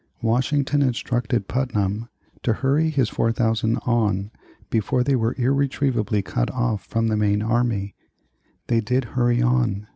Washington instructed Putnam to hurry his 4,000 on before they were irretrievably cut off from the main army. They did hurry on.